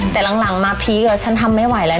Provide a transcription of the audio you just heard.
แต่หลังมาพีชกับเราฉันทำไม่ไหวแล้ว